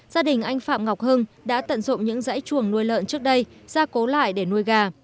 gia đình anh phạm ngọc hưng đã tận dụng những dãy chuồng nuôi lợn trước đây ra cố lại để nuôi gà